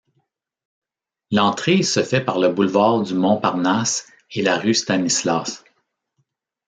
L'entrée se fait par le boulevard du Montparnasse et la rue Stanislas.